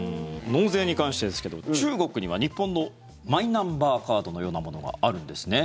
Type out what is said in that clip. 納税に関してですけど中国には日本のマイナンバーカードのようなものがあるんですね。